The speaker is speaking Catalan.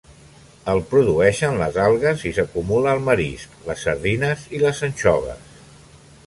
El produeixen les algues i s'acumula al marisc, les sardines i les anxoves.